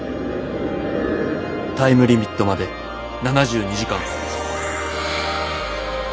タイムリミットまで７２時間。